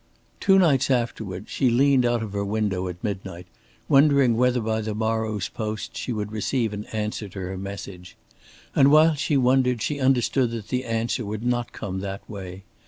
Two nights afterward she leaned out of her window at midnight, wondering whether by the morrow's post she would receive an answer to her message. And while she wondered she understood that the answer would not come that way.